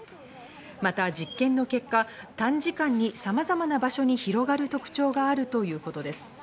また実験の結果、短時間に様々な場所に広がる特徴があるということです。